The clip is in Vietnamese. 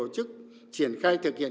quán truyền tổ chức triển khai thực hiện